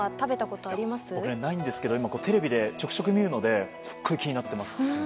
ないんですけどテレビでちょくちょく見るのですごい気になってます。